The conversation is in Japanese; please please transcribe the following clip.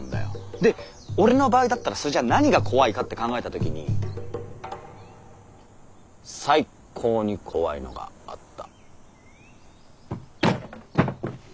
で俺の場合だったらそれじゃあ何が怖いかって考えた時にサイコーに怖いのがあった。